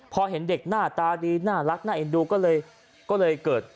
พอเห็นเด็กหน้าตาดีน่ารักน่าเอ็นดูก็เลยเกิด